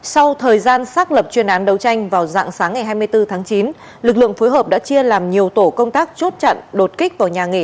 sau thời gian xác lập chuyên án đấu tranh vào dạng sáng ngày hai mươi bốn tháng chín lực lượng phối hợp đã chia làm nhiều tổ công tác chốt chặn đột kích vào nhà nghỉ